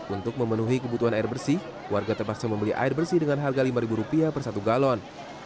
untuk memenuhi kebutuhan air bersih warga terpaksa membeli air bersih dengan harga rp lima per satu galon